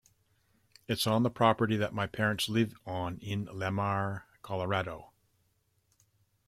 Its on the property that my parents live on in Lamar, Colorado.